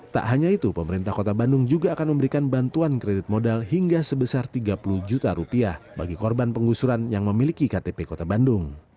tak hanya itu pemerintah kota bandung juga akan memberikan bantuan kredit modal hingga sebesar tiga puluh juta rupiah bagi korban penggusuran yang memiliki ktp kota bandung